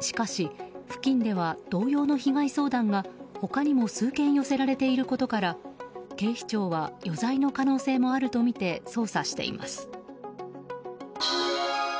しかし付近では同様の被害相談が他にも数件寄せられていることから警視庁は余罪の可能性もあるとみて捜査しています。